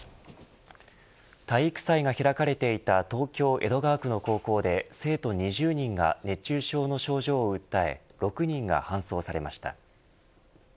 体育祭が開かれていた東京、江戸川区の高校で生徒２０人が熱中症の症状を訴え６人が搬送されました。